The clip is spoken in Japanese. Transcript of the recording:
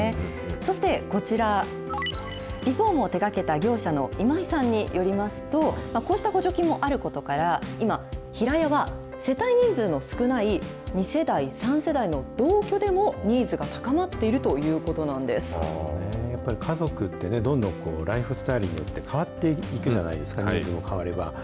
そしてこちら、リフォームを手がけた業者の今井さんによりますと、こうした補助金もあることから、今平屋は、世帯人数の少ない２世代・３世代の同居でも、ニーズが高まっていやっぱり家族ってね、どんどんライフスタイルによって変わっていくじゃないですか、人数も変われば。